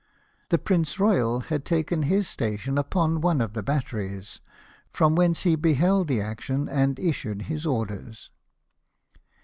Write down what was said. The Prince Royal had taken his station upon one of the batteries, from whence he beheld the action BATTLE OF COPENHAGEN. 235 and issued his orders.